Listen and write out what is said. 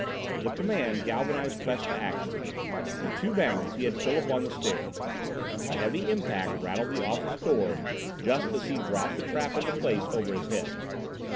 The command galvanized Quest to action. In two bounds he had Philip on the stairs. A heavy impact rattled the office door just as he dropped the trap into place over his head.